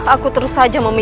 aku terus saja memimpin